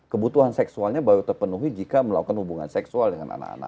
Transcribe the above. kebutuhan seksualnya baru terpenuhi jika melakukan hubungan seksual dengan anak anak